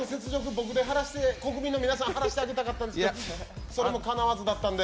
僕で国民の皆さんを晴らしてあげたかったんですけど、それもかなわずだったんで。